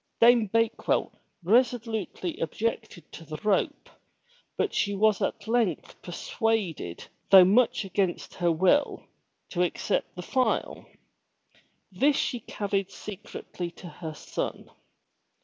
Dame Bakewell resolutely objected to the rope, but she was at length persuaded, 241 MY BOOK HOUSE though much against her will, to accept the file. This she carried secretly to her son.